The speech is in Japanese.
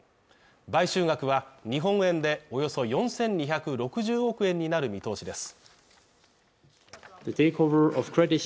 買収額は日本円でおよそ４２６０億円になる見通しです。